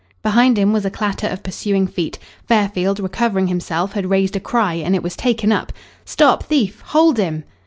Behind him was a clatter of pursuing feet. Fairfield, recovering himself, had raised a cry and it was taken up. "Stop thief! Hold him!"